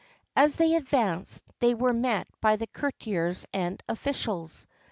As they advanced, they were met by the courtiers and officials.